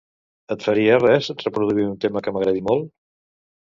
Et faria res reproduir un tema que m'agradi molt?